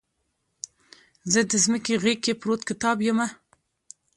زه دمځکې غیږ کې پروت کتاب یمه